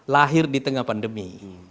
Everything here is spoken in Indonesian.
lahir di tengah pandemi